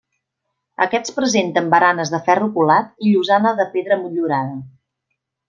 Aquests presenten baranes de ferro colat i llosana de pedra motllurada.